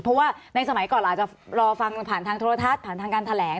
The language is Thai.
เพราะว่าในสมัยก่อนอาจจะรอฟังผ่านทางโทรทัศน์ผ่านทางการแถลง